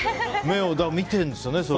目を見てるんですよね